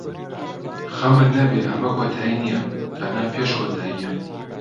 خەمت نەبێت، ئەمە کۆتایی نییە، تەنها پێش کۆتایییە.